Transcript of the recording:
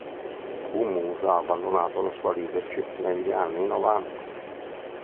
Abu Musa ha abbandonato la sua leadership negli anni novanta.